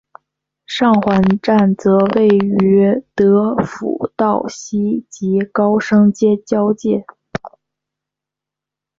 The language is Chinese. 上环站则位于德辅道西及高升街交界。